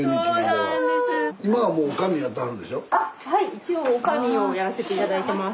一応おかみをやらせて頂いてます。